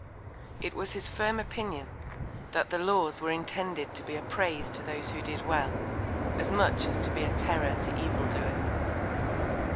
It was his firm Opinion, that the Laws were intended to be a Praise to those who did well, as much as to be a Terror to Evildoers.